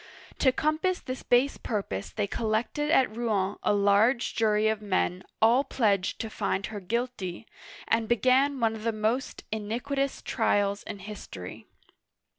To compass this base purpose they collected at Rouen a large jury of men, all pledged to find her guilty, and began one of the most iniquitous trials in history.